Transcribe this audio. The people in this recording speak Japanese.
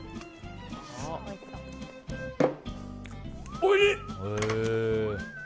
おいしい！